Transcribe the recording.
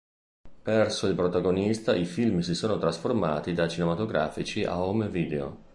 Perso il protagonista i film si sono trasformati da cinematografici a home video.